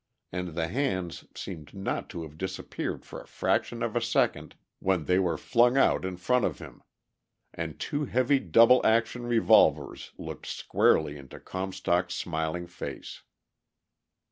And the hands seemed not to have disappeared for a fraction of a second when they were flung out in front of him, and two heavy double action revolvers looked squarely into Comstock's smiling face.